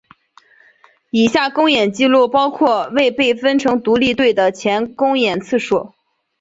以下公演记录包括未被分成独立队前的公演次数。